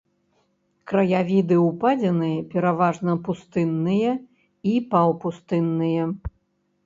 Краявіды ўпадзіны пераважна пустынныя і паўпустынныя.